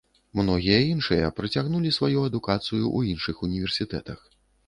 Многія іншыя працягнулі сваю адукацыю ў іншых універсітэтах.